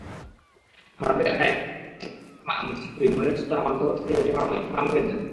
ফার্মগেটে একটি কোচিং সেন্টারের ছাত্রী মনিরা সুলতানা পান্থপথ থেকে হেঁটে ফার্মগেট যান।